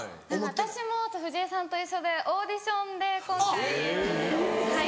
私も藤江さんと一緒でオーディションで今回。